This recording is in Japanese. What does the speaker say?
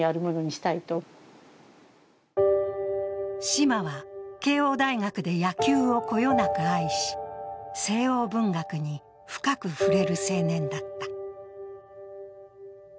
島は慶応大学で野球をこよなく愛し、西欧文学に深く触れる青年だった。